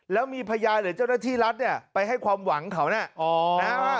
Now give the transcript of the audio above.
แล้วมีพยานหรือเจ้าหน้าที่รัฐเนี่ยไปให้ความหวังเขานะ